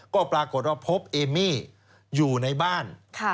ก็ปรากฏว่าพบเอมมี่อยู่ในบ้าน